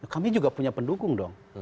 kami juga punya pendukung dong